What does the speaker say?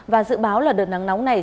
và dự báo là đợt nắng nóng này